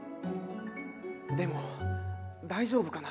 でも大丈夫かな？